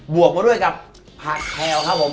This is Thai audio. วกมาด้วยกับผักแพลวครับผม